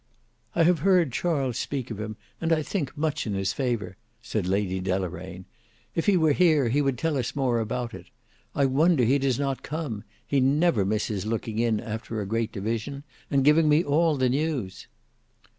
"I have heard Charles speak of him, and I think much in his favour," said Lady Deloraine; "if he were here, he would tell us more about it. I wonder he does not come: he never misses looking in after a great division and giving me all the news."